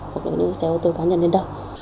hoặc là những xe ô tô cá nhân đến đâu